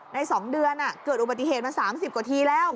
๒เดือนเกิดอุบัติเหตุมา๓๐กว่าทีแล้ว